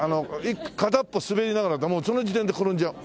片っぽ滑りながらその時点で転んじゃう。